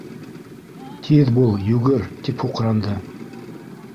Тиҙ бул, йүгер! — тип һуҡранды.